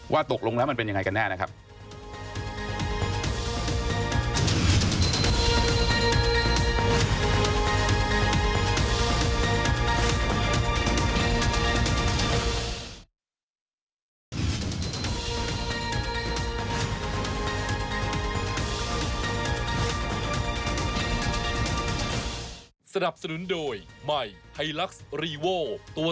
ตกลงแล้วมันเป็นยังไงกันแน่นะครับ